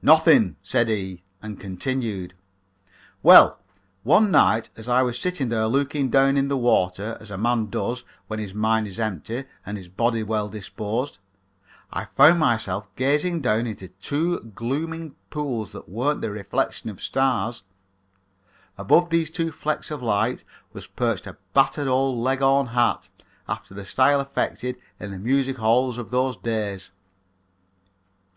"Nothing," said he, and continued. "Well, one night as I was sitting there looking down in the water as a man does when his mind is empty and his body well disposed, I found myself gazing down into two glowing pools that weren't the reflections of stars. Above these two flecks of light was perched a battered old leghorn hat after the style affected in the music halls of those days.